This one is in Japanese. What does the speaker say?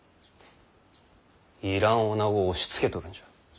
要らんおなごを押しつけとるんじゃ。